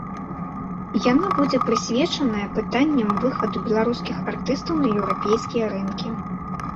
Яна будзе прысвечаная пытанням выхаду беларускіх артыстаў на еўрапейскія рынкі.